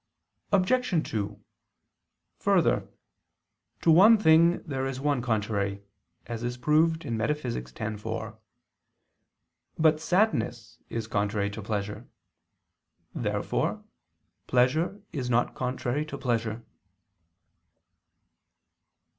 Obj. 2: Further, to one thing there is one contrary, as is proved in Metaph. x, 4. But sadness is contrary to pleasure. Therefore pleasure is not contrary to pleasure.